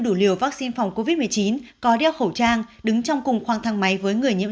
đủ liều vaccine phòng covid một mươi chín có đeo khẩu trang đứng trong cùng khoang thang máy với người nhiễm